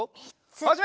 はじめ！